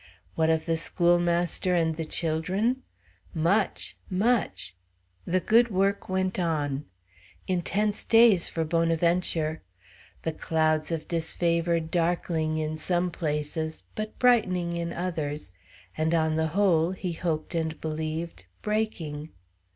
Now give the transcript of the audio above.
What of the schoolmaster and the children? Much, much! The good work went on. Intense days for Bonaventure. The clouds of disfavor darkling in some places, but brightening in others, and, on the whole, he hoped and believed, breaking.